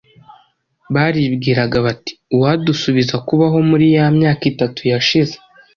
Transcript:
Baribwiraga bati, uwadusubiza kubaho muri ya myaka itatu yashize,